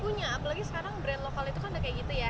punya apalagi sekarang brand lokal itu kan udah kayak gitu ya